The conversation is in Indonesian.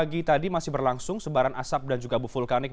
pagi tadi masih berlangsung sebaran asap dan juga abu vulkanik